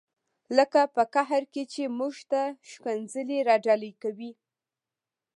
لکه په قهر کې چې موږ ته ښکنځلې را ډالۍ کوي.